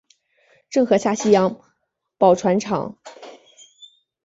郑和下西洋宝船厂遗址公园也位于江东街道辖区内。